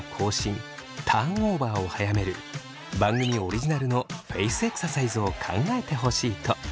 ターンオーバーを早める番組オリジナルのフェイスエクササイズを考えてほしいと。